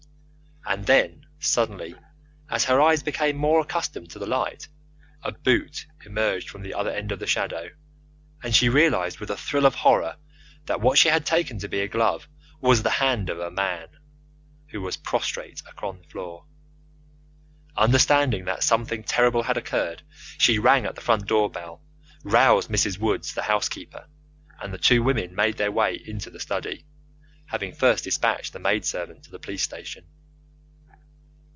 And then suddenly, as her eyes became more accustomed to the light, a boot emerged from the other end of the shadow, and she realized, with a thrill of horror, that what she had taken to be a glove was the hand of a man, who was prostrate upon the floor. Understanding that something terrible had occurred, she rang at the front door, roused Mrs. Woods, the housekeeper, and the two women made their way into the study, having first dispatched the maidservant to the police station.